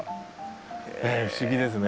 不思議ですね。